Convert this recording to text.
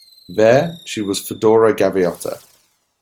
There, she was Fedora Gaviota.